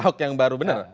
ahok yang baru bener